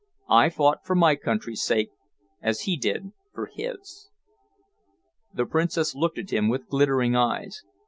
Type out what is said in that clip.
I fought for my country's sake, as he did for his." The Princess looked at him with glittering eyes.